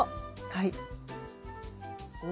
はい。